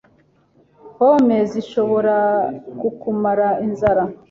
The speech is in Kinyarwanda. Pome zishobora kukumara inzara